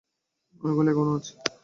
ওইগুলো এখনও আছে।